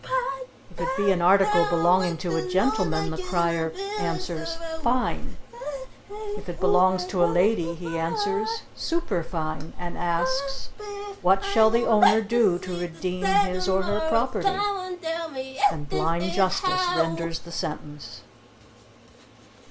If it be an article belonging to a gentleman the Crier answers "Fine"; if it belongs to a lady he answers, "Superfine," and asks, "What shall the owner do to redeem his (or her) property?" and Blind Justice renders the sentence.